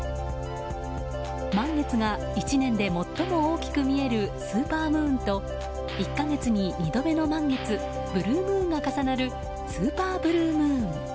満月が１年で最も大きく見えるスーパームーンと１か月に２度目の満月ブルームーンが重なるスーパーブルームーン。